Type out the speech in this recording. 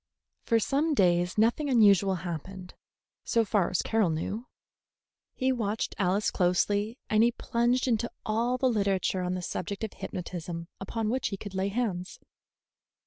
For some days nothing unusual happened, so far as Carroll knew. He watched Alice closely, and he plunged into all the literature on the subject of hypnotism upon which he could lay hands.